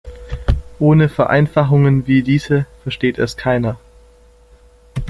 Ohne Vereinfachungen wie diese versteht es keiner.